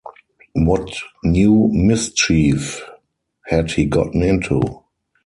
What new mischief had he gotten into?